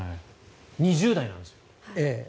２０代なんですよ。